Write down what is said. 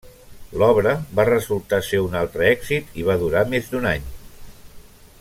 L'obra va resultar ser un altre èxit i va durar més d'un any.